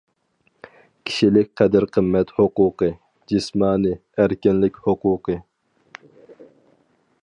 كىشىلىك قەدىر-قىممەت ھوقۇقى، جىسمانىي ئەركىنلىك ھوقۇقى.